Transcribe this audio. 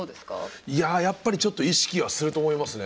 いややっぱりちょっと意識はすると思いますね。